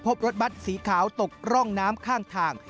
พบรถบัตรสีขาวตกร่องน้ำข้างทาง